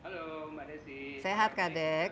sehat sekali sehat kak dea